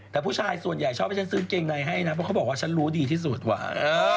แต่ผู้ชายส่วนใหญ่ชอบให้ฉันซื้อเกงในให้นะเพราะเขาบอกว่าฉันรู้ดีที่สุดว่ะ